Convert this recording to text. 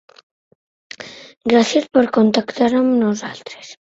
Gràcies per contactar amb nosaltres.